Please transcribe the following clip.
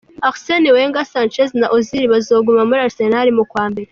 Arsene Wenger: Sanchez na Ozil bazoguma muri Arsenal mu kwa mber.